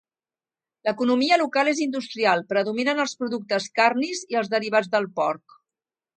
L'economia local és industrial, predominen els productes carnis i els derivats del porc.